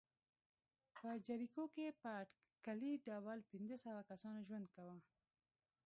په جریکو کې په اټکلي ډول پنځه سوه کسانو ژوند کاوه.